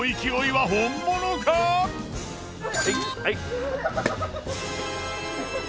はい。